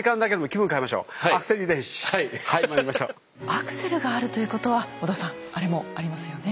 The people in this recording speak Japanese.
アクセルがあるということは織田さんあれもありますよね。